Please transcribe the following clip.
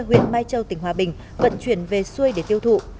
huyện mai châu tỉnh hòa bình vận chuyển về xuôi để tiêu thụ